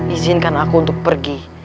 izinkan aku untuk pergi